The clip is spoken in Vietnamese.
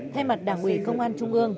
thay mặt đảng ủy công an trung ương